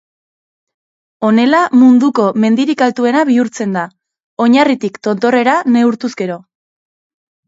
Honela munduko mendirik altuena bihurtzen da, oinarritik tontorrera neurtuz gero.